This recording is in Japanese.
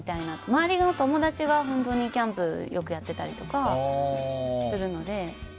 周りの友達がキャンプをよくやっていたりとかするので。